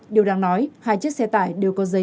điều đáng nói hai chiếc xe tải đều có giấy